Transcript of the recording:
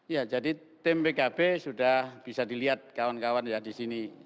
ya jadi tim pkb sudah bisa dilihat kawan kawan ya di sini